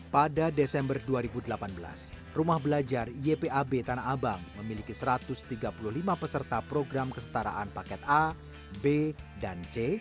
pada desember dua ribu delapan belas rumah belajar ypab tanah abang memiliki satu ratus tiga puluh lima peserta program kestaraan paket a b dan c